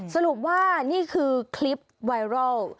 สรุปว่านี่คือคลิปไวรัล